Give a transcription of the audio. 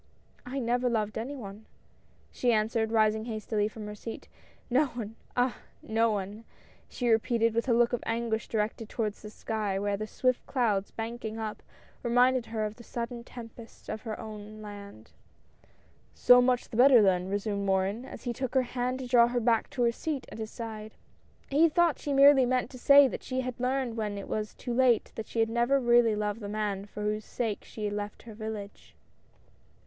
" I never loved any one," she answered, rising hastily from her seat — "no one — ah! no one!" she repeated, with a look of anguish directed toward the sky, where the swift clouds, banking up, reminded her of the sudden tempests of her own land. 172 HOPES. " So much the better, then I " resumed Morin, as he took her hand to draw her back to her seat at his side. He thought she merely meant to say that she had learned when it was too late that she had never really loved the man for whose sake she had left her village.